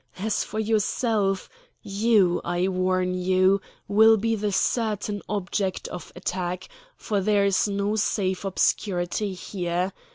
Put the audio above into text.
As for yourself, you, I warn you, will be the certain object of attack, for there is no safe obscurity here.